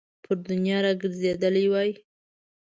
پر دنیا را ګرځېدلی وای.